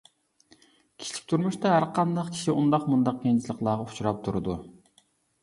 ! كىشىلىك تۇرمۇشتا ھەرقانداق كىشى ئۇنداق مۇنداق قىيىنچىلىقلارغا ئۇچراپ تۇرىدۇ!